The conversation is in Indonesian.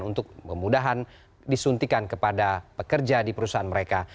untuk memudahan disuntikan kepada pekerja di perusahaan mereka